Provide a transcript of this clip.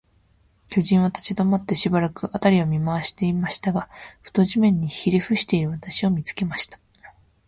巨人は立ちどまって、しばらく、あたりを見まわしていましたが、ふと、地面にひれふしている私を、見つけました。